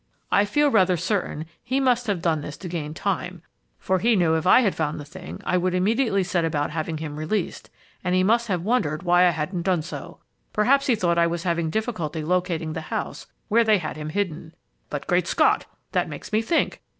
I feel rather certain he must have done this to gain time, for he knew that if I had found the thing, I would immediately set about having him released, and he must have wondered why I hadn't done so. Perhaps he thought I was having difficulty locating the house where they had him hidden. But, Great Scott! that makes me think!